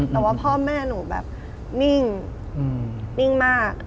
แต่ว่าพ่อแม่หนูแบบนิ่งนิ่งมาก